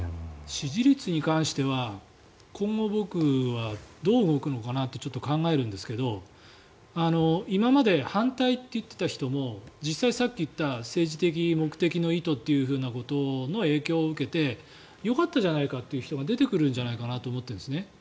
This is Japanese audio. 支持率に関しては今後、僕はどう動くのかなってちょっと考えるんですが今まで反対と言っていた人も実際、さっき言った政治的目的の意図という影響を受けてよかったじゃないかという人が出てくるんじゃないかと思うんですね。